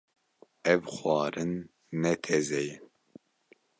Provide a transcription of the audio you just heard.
Ev xwarin ne teze ye.